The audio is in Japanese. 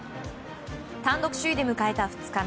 単独首位で迎えた２日目。